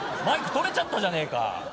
マイク取れちゃったじゃねえか。